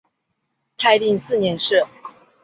泰定四年事。